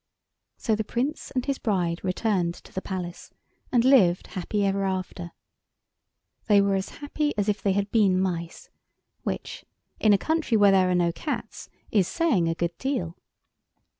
So the Prince and his bride returned to the palace and lived happy ever after. They were as happy as if they had been mice—which, in a country where there are no cats, is saying a good deal.